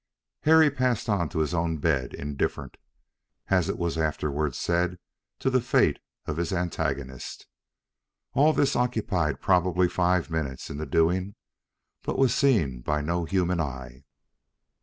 Harry passed on to his own bed, indifferent, as it was afterwards said, to the fate of his antagonist. All this occupied probably five minutes in the doing, but was seen by no human eye.